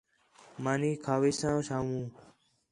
مانی کھاویساں شامو